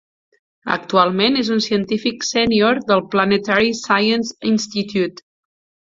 Actualment és un científic sènior del Planetary Science Institute.